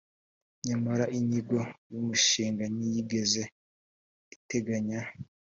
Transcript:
nyamara inyigo y’ umushinga ntiyigeze iteganya